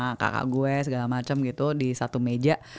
kepala kakak gue segala macem gitu di satu meja